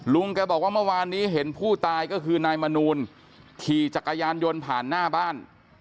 แกบอกว่าเมื่อวานนี้เห็นผู้ตายก็คือนายมนูลขี่จักรยานยนต์ผ่านหน้าบ้าน